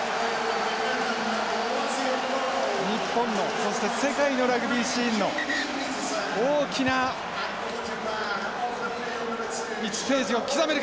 日本のそして世界のラグビーシーンの大きな１ページを刻めるか日本！